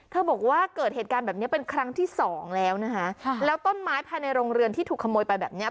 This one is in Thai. บอกว่าเกิดเหตุการณ์แบบนี้เป็นครั้งที่สองแล้วนะคะแล้วต้นไม้ภายในโรงเรือนที่ถูกขโมยไปแบบเนี้ย